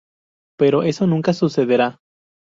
Pero eso nunca sucederá".